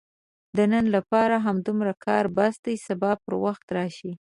د نن لپاره همدومره کار بس دی، سبا پر وخت راشئ!